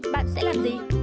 bạn sẽ làm gì